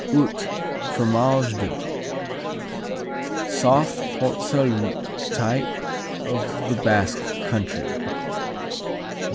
Urt, Fromage d' Soft Port Salut type of the Basque country.